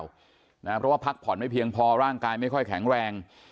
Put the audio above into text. เพราะว่าพักผ่อนไม่เพียงพอร่างกายไม่ค่อยแข็งแรง